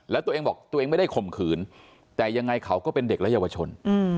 แล้วตัวเองบอกตัวเองไม่ได้ข่มขืนแต่ยังไงเขาก็เป็นเด็กและเยาวชน